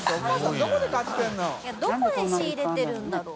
どこで仕入れてるんだろう？